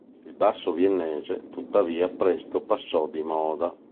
Il basso viennese, tuttavia, presto passò di moda.